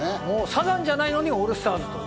サザンじゃないのにオールスターズ。